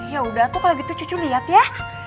yaudah tuh kalo gitu cucu liat ya